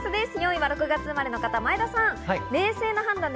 ４位は６月生まれの方、前田さん。